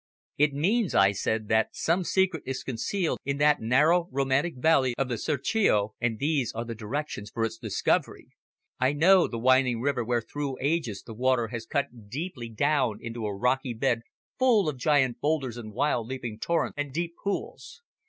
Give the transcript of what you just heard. "It means," I said, "that some secret is concealed in that narrow, romantic valley of the Serchio, and these are the directions for its discovery. I know the winding river where through ages the water has cut deeply down into a rocky bed full of giant boulders and wild leaping torrents and deep pools.